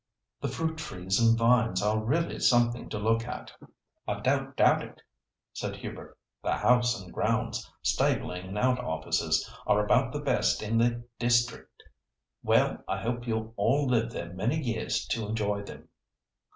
The fruit trees and vines are really something to look at." "I don't doubt it," said Hubert. "The house and grounds, stabling and out offices are about the best in the district. Well, I hope you'll all live there many years to enjoy them."